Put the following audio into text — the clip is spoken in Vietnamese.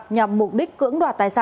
nhằm mục đích cưỡng